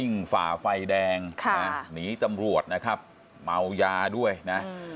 สิ่งฝ่าไฟแดงนี่ตัมรวจนะครับมาเอายาด้วยนะ